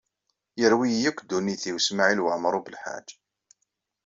Yerwi-yi akk ddunit-iw Smawil Waɛmaṛ U Belḥaǧ.